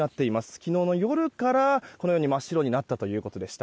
昨日の夜からこのように真っ白になったということでした。